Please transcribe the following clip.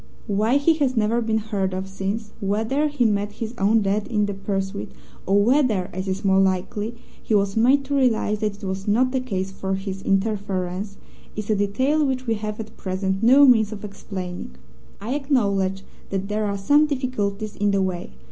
Why he has never been heard of since whether he met his own death in the pursuit, or whether, as is more likely, he was made to realize that it was not a case for his interference is a detail which we have at present no means of explaining. I acknowledge that there are some difficulties in the way.